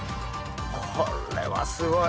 これはすごい。